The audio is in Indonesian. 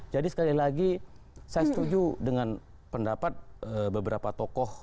jadi sekali lagi saya setuju dengan pendapat beberapa tokoh